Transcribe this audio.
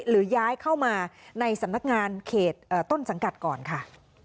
หรือย้ายเข้ามาในสำนักงานเขตต้นสังกัดก่อนค่ะ